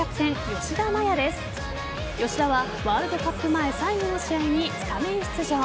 吉田はワールドカップ前最後の試合にスタメン出場。